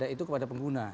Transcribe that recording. itu kepada pengguna